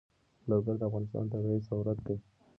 لوگر د افغانستان طبعي ثروت دی.